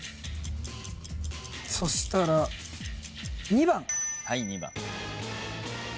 そしたら２番。